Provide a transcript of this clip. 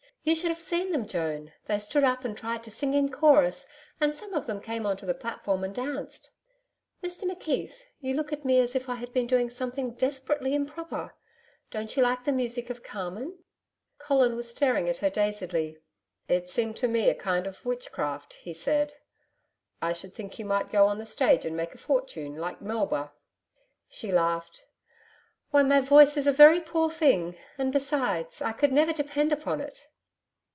'You should have seen them, Joan: they stood up and tried to sing in chorus and some of them came on to the platform and danced.... Mr McKeith you look at me as if I had been doing something desperately improper. Don't you like the music of CARMEN?' Colin was staring at her dazedly. 'It seemed to me a kind of witchcraft,' he said.... 'I should think you might go on the stage and make a fortune like Melba.' She laughed. 'Why my voice is a very poor thing. And besides, I could never depend upon it.'